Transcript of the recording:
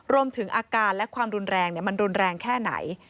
รวมถึงอาการและความรุนแรงมันรุนแรงแค่ไหน